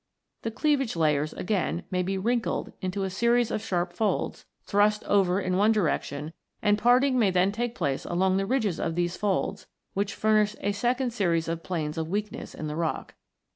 The cleavage layers, again, may be wrinkled into a series of sharp folds, thrust over in one direction, and parting may then take place along the ridges of these folds, which furnish a second series of planes of weakness in the rock.